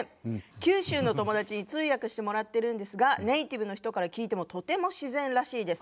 九州の友達に通訳してもらっているんですがネイティブの人から聞いてもとても自然らしいです。